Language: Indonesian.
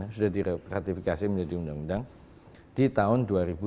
sudah di ratifikasi menjadi undang undang di tahun dua ribu dua puluh lima